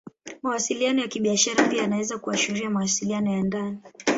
Mawasiliano ya Kibiashara pia yanaweza kuashiria mawasiliano ya ndani.